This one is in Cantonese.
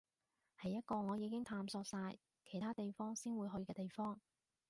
係一個我已經探索晒其他地方先會去嘅地方